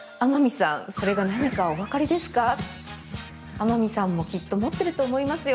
天海さんもきっと持ってると思いますよ。